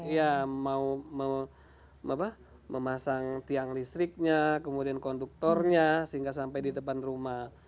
ya mau memasang tiang listriknya kemudian konduktornya sehingga sampai di depan rumah